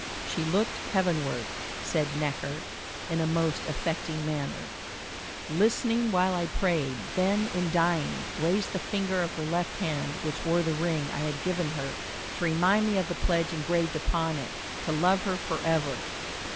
"She looked heavenward," said Necker in a most affecting manner, "listening while I prayed; then, in dying, raised the finger of her left hand, which wore the ring I had given her, to remind me of the pledge engraved upon it, to love her forever."